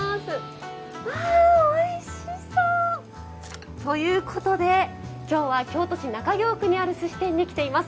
わあおいしそう！ということで今日は京都市中京区にある寿司店に来ています。